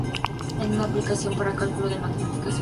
Es una aplicación para cálculo de matemáticas financieras.